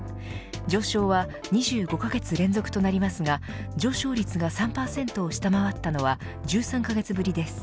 上昇は２５カ月連続となりますが上昇率が３％を下回ったのは１３カ月ぶりです。